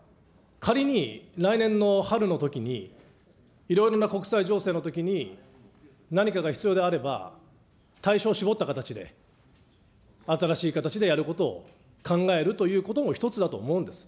仮に来年の春のときに、いろいろな国際情勢のときに何かが必要であれば、対象を絞った形で、新しい形でやることを考えるということも１つだと思うんです。